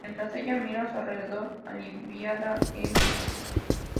Mientras ella mira a su alrededor aliviada, Mr.